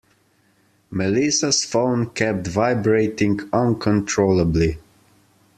Melissa's phone kept vibrating uncontrollably.